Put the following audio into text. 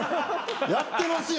やってますよ